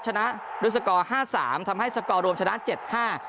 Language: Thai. ชนะด้วยสกอร์ห้าสามทำให้สกอร์รวมชนะเจ็ดห้า